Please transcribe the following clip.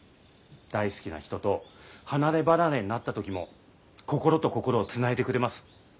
大好きな人と離れ離れになった時も心と心をつないでくれます。